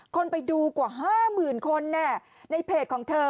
คนไปดูกว่าห้าหมื่นคนแน่ในเพจของเธอ